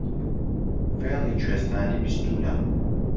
فێڵی کوێستانی بیستوونە